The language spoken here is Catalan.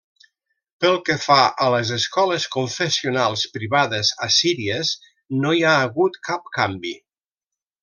Pel que fa a les escoles confessionals privades assíries no hi ha hagut cap canvi.